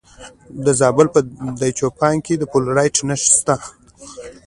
د زابل په دایچوپان کې د فلورایټ نښې شته.